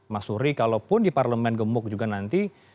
mas sury kalaupun di parlement gemuk juga nanti